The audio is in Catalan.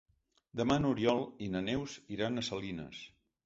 Demà n'Oriol i na Neus iran a Salines.